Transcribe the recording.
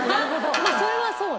まあそれはそうね。